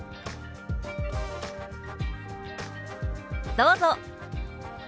どうぞ！